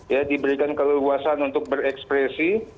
ya diberikan keleluasan untuk berekspresi